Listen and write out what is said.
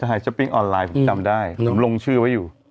ไฮช้อปปิ้งออนไลน์ผมจำได้ผมลงชื่อไว้อยู่